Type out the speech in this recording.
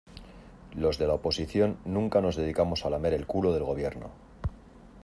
Los de la oposición nunca nos dedicamos a lamer el culo del Gobierno.